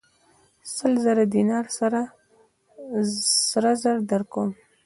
سل زره دیناره سره زر درکوم.